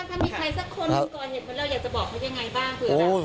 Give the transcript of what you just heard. ถ้ามีใครสักคนลุงกอเห็นแล้ว